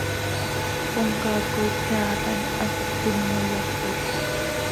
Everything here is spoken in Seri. Comcaac coi tseaalam, hanso ptino yajoz.